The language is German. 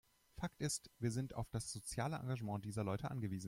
Fakt ist, wir sind auf das soziale Engagement dieser Leute angewiesen.